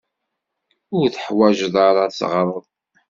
Ur teḥwaǧeḍ ara ad teɣreḍ.